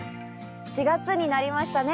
４月になりましたね。